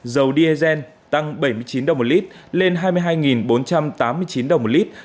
dầu diesel tăng bảy mươi chín đồng một lít lên hai mươi hai bốn trăm tám mươi chín đồng một lít